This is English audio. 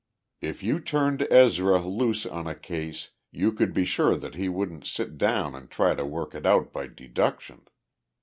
If you turned Ezra loose on a case you could be sure that he wouldn't sit down and try to work it out by deduction.